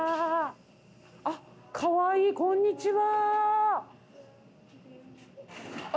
あっかわいいこんにちは。